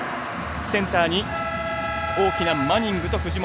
センターに大きなマニングと藤本。